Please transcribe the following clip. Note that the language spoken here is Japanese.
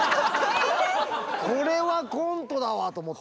「これはコントだわ」と思って。